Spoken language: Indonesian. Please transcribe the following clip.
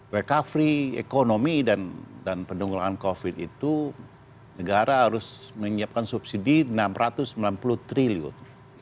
recovery ekonomi dan pendunggulangan covid itu negara harus menyiapkan subsidi enam ratus sembilan puluh triliun